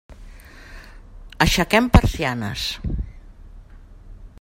Aixequem persianes.